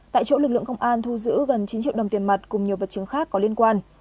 tại chỗ lực lượng công an thu giữ gần chín triệu đồng tiền mặt cùng nhiều vật chứng khác có liên quan